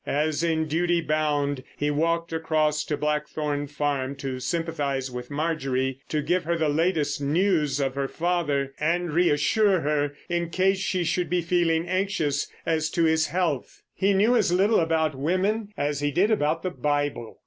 As in duty bound, he walked across to Blackthorn Farm to sympathise with Marjorie, to give her the latest news of her father, and reassure her in case she should be feeling anxious as to his health. He knew as little about women as he did about the Bible.